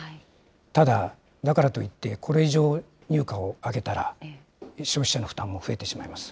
ただ、だからといって、これ以上、乳価を上げたら、消費者の負担も増えてしまいます。